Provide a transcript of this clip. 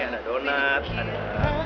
ada donat ada